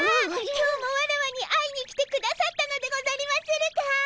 今日もワラワに会いに来てくださったのでござりまするか？